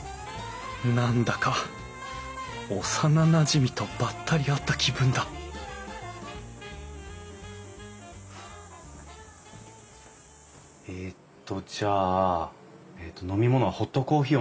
何だか幼なじみとばったり会った気分だえっとじゃあ飲み物はホットコーヒーお願いします。